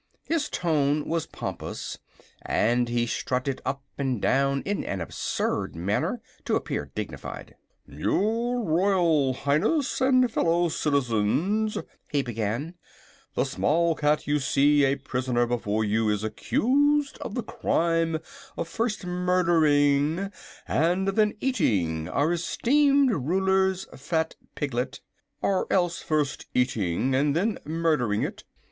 His tone was pompous and he strutted up and down in an absurd attempt to appear dignified. "Your Royal Highness and Fellow Citizens," he began; "the small cat you see a prisoner before you is accused of the crime of first murdering and then eating our esteemed Ruler's fat piglet or else first eating and then murdering it.